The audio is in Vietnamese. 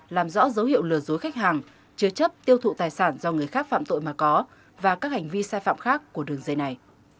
làm rõ dấu hiệu lừa dối khách hàng chứa chấp tiêu thụ tài sản do người khác phạm tội mà có và các hành vi sai phạm khác của đường dây này